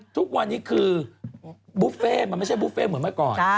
ทุกวันนี้คือบุฟเฟ่มันไม่ใช่บุฟเฟ่เหมือนเมื่อก่อน